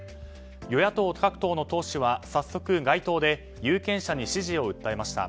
与野党各党の党首は早速街頭で有権者に支持を訴えました。